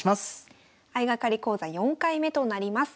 相掛かり講座４回目となります。